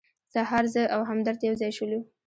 سهار زه او همدرد یو ځای شولو.